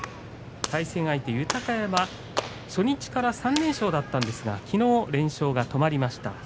対戦相手、豊山、初日から３連勝だったんですがきのう連勝が止まりました。